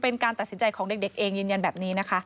เป็นการตัดสินใจของเด็กเองยืนยันแบบนี้นะคะ